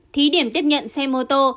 thí điểm tiếp nhận xe mô tô